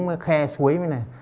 mới khe suối mới này